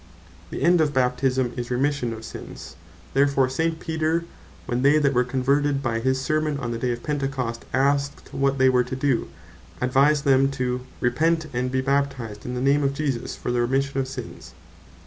The end of Baptisme is Remission of Sins: and therefore St. Peter, when they that were converted by his Sermon on the day of Pentecost, asked what they were to doe, advised them to "repent, and be Baptized in the name of Jesus, for the Remission of Sins."